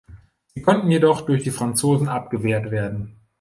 Sie konnten jedoch durch die Franzosen abgewehrt werden.